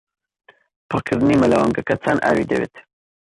پڕکردنی مەلەوانگەکەت چەند ئاوی دەوێت؟